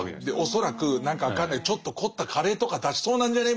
恐らく何か分かんないちょっと凝ったカレーとか出しそうなんじゃね？